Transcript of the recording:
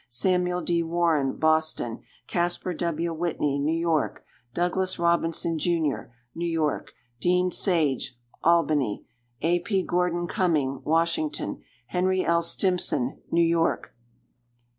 Samuel D. Warren, Boston. Casper W. Whitney, New York. Douglass Robinson, Jr., New York. Dean Sage, Albany. A. P. Gordon Cumming, Washington. Henry L. Stimson, New York.